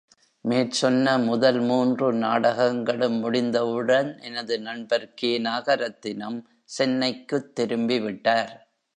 மேற்சொன்ன முதல் மூன்று நாடகங்களும் முடிந்தவுடன் எனது நண்பர் கே. நாகரத்தினம் சென்னைக்குத் திரும்பிவிட்டார்.